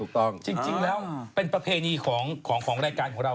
จริงแล้วเป็นประเพณีของรายการของเรา